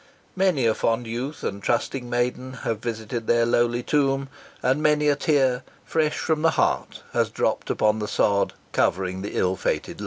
Many a fond youth and trusting maiden have visited their lowly tomb, and many a tear, fresh from the heart, has dropped upon the sod covering the ill fated lovers.